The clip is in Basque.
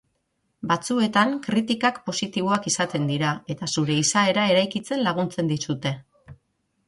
Batzuetan kritikak positiboak izaten dira, eta zure izaera eraikitzen laguntzen dizute.